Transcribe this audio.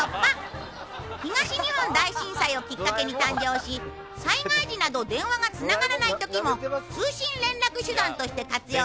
東日本大震災をきっかけに誕生し災害時など電話が繋がらない時も通信連絡手段として活用される